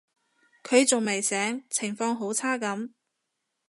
佢仲未醒，情況好差噉